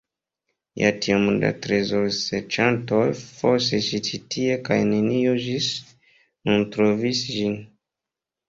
Ja, tiom da trezorserĉantoj fosis ci tie kaj neniu ĝis nun trovis ĝin.